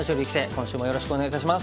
今週もよろしくお願いいたします。